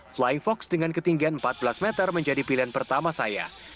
flying fox dengan ketinggian empat belas meter menjadi pilihan pertama saya